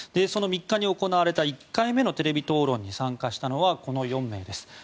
その３日目に行われた１回目のテレビ討論に参加したのはこの４名です。